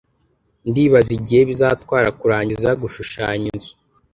Ndibaza igihe bizatwara kurangiza gushushanya inzu.